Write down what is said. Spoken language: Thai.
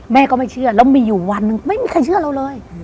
ก็ไม่เชื่อแล้วมีอยู่วันหนึ่งไม่มีใครเชื่อเราเลย